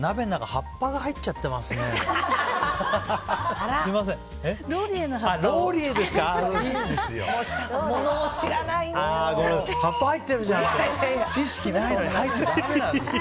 葉っぱ入ってるじゃん！